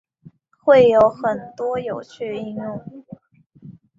会有很多有趣的应用